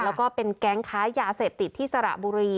แล้วก็เป็นแก๊งค้ายาเสพติดที่สระบุรี